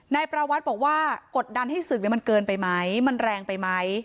นายประวัติบอกว่ากดดันให้ศึกมันเกินไปไหมมันแรงไปไหม